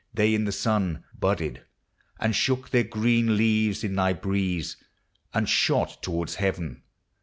They in thy sun Budded, and shook their green leaves in thy breeze, And shot towards heaven.